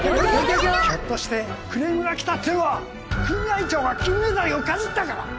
ひょっとしてクレームが来たっていうのは組合長が金目鯛をかじったから！？